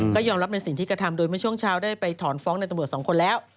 ก็ยอมรับในสิ่งที่กระทำโดยเมื่อช่วงเช้าได้ไปถอนฟ้องในตำรวจสองคนแล้ว